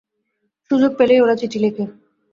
সুযোগ পেলেই ওরা চিঠি লেখে।